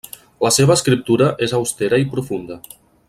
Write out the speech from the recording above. La seva escriptura és austera i profunda.